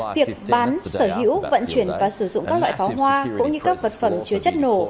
việc bán sở hữu vận chuyển và sử dụng các loại pháo hoa cũng như các vật phẩm chứa chất nổ